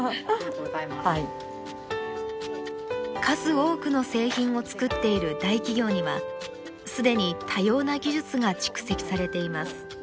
数多くの製品を作っている大企業には既に多様な技術が蓄積されています。